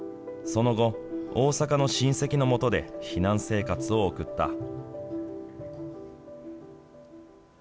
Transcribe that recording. その後、大阪の親戚のもとで避難生活を送った。